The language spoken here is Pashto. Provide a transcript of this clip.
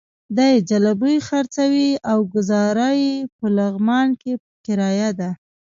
دی ځلوبۍ خرڅوي او ګوزاره یې په لغمان کې په کرايه ده.